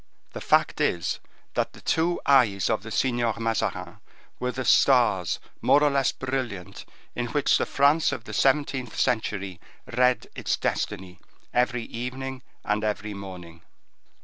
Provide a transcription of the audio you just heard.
The fact is, that the two eyes of the Signor Mazarin were the stars more or less brilliant in which the France of the seventeenth century read its destiny every evening and every morning.